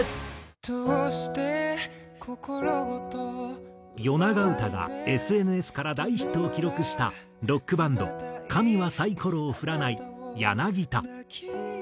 「どうして心ごと」『夜永唄』がＳＮＳから大ヒットを記録したロックバンド神はサイコロを振らない柳田。